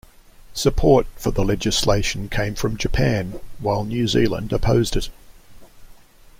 Support for the legislation came from Japan, while New Zealand opposed it.